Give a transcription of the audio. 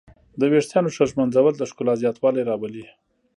د ویښتانو ښه ږمنځول د ښکلا زیاتوالی راولي.